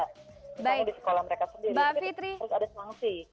tapi di sekolah mereka sendiri itu harus ada sanksi